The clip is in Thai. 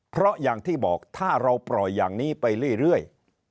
เพราะอย่างที่บอกถ้าเราปล่อยอย่างนี้ไปเรื่อย